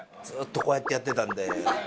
ずっとこうやってやってたんで。